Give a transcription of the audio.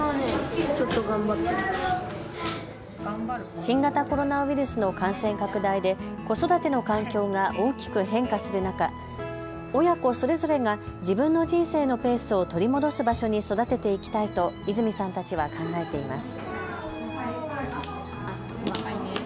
新型コロナウイルスの感染拡大で子育ての環境が大きく変化する中、親子それぞれが自分の人生のペースを取り戻す場所に育てていきたいと泉さんたちは考えています。